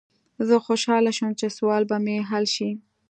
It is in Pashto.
زه خوشحاله شوم چې سوال به مې حل شي.